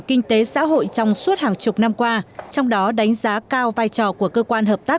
kinh tế xã hội trong suốt hàng chục năm qua trong đó đánh giá cao vai trò của cơ quan hợp tác